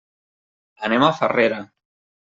Anem a Farrera.